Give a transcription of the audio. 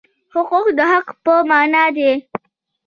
حقوق د حق په مانا دي.